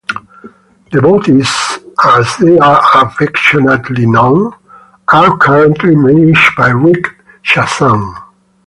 The Boaties, as they're affectionately known, are currently managed by Rick Chazan.